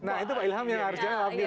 nah itu pak ilham yang harus jawab nih